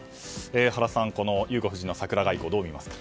原さん、裕子夫人の桜外交どう見ますか？